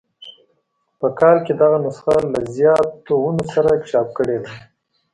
په کال کې دغه نسخه له زیاتونو سره چاپ کړې ده.